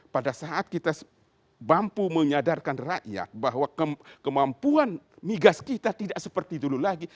pada saat kita mampu menyadarkan rakyat bahwa kemampuan migas kita tidak seperti dulu lagi